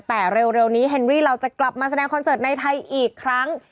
แต่เร็วนี้เฮนรี่เราจะกลับมาแสดงคอนเสิร์ตในไทยอีกครั้ง